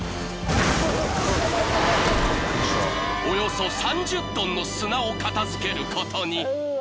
［およそ３０ｔの砂を片付けることに］